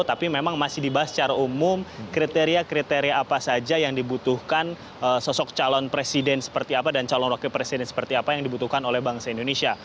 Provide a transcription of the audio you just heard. tapi memang masih dibahas secara umum kriteria kriteria apa saja yang dibutuhkan sosok calon presiden seperti apa dan calon wakil presiden seperti apa yang dibutuhkan oleh bangsa indonesia